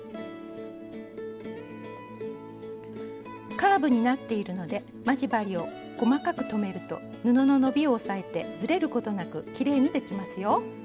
カーブになっているので待ち針を細かく留めると布の伸びを抑えてずれることなくきれいにできますよ。